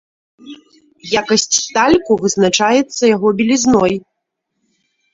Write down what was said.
Якасць тальку вызначаецца яго белізной.